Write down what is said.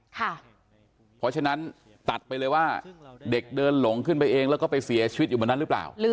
เพราะฉะนั้นตัดไปเลยว่าเด็กเดินหลงขึ้นไปเองแล้วก็ไปเสียชีวิตอยู่บนนั้นหรือเปล่า